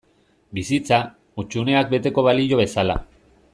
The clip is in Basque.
Bizitza, hutsuneak beteko balio bezala.